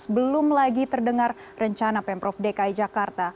belum lagi terdengar rencana pemprov dki jakarta